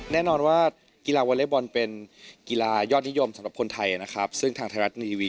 แน่นอนว่ากีฬาวอเลเวอร์บอลเป็นยอดนิยมสำหรับคนไทยซึ่งทางไทยรัฐทีวี